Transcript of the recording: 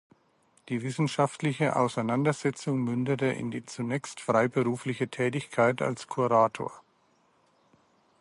Die wissenschaftliche Auseinandersetzung mündete in die zunächst freiberufliche Tätigkeit als Kurator.